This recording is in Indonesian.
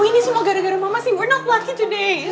bu ini semua gara gara mama sih we're not lucky today